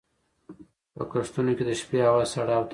په کښتونو کې د شپې هوا سړه او تازه وي.